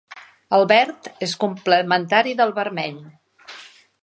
El verd és complementari del vermell.